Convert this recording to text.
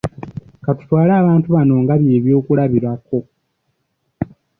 Katutwale abantu bano nga bye byokulabirako.